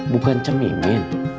bukan cok mimim